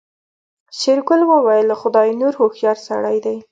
شېرګل وويل خداينور هوښيار سړی دی.